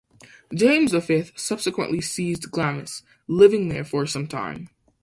James the Fifth subsequently seized Glamis, living there for some time.